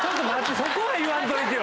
そこは言わんといてよ。